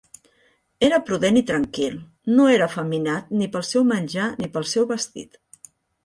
Era prudent i tranquil, no era efeminat ni pel seu menjar ni pel seu vestit.